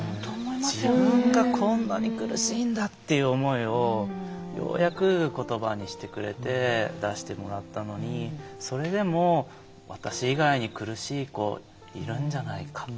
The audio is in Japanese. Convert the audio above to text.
自分がこんなに苦しいんだという思いをようやく言葉にしてくれて出してもらったのにそれでも私以外に苦しい子いるんじゃないか。